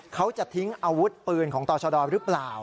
เขาจะทิ้งอาวุธปืนของต่อชะดอหรือเปล่า